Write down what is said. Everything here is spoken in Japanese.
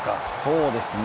そうですね。